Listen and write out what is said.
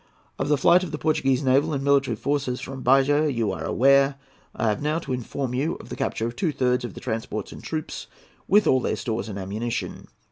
Of the flight of the Portuguese naval and military forces from Bahia you are aware. I have now to inform you of the capture of two thirds of the transports and troops, with all their stores and ammunition.